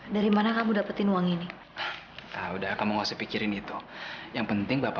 sampai jumpa di video selanjutnya